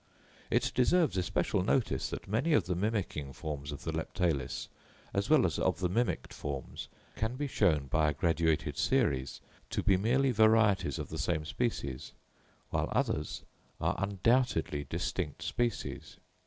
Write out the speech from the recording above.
It deserves especial notice that many of the mimicking forms of the Leptalis, as well as of the mimicked forms, can be shown by a graduated series to be merely varieties of the same species; while others are undoubtedly distinct species.